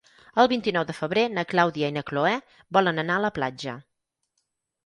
El vint-i-nou de febrer na Clàudia i na Cloè volen anar a la platja.